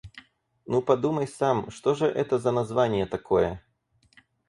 Ну подумай сам, что же это за название такое?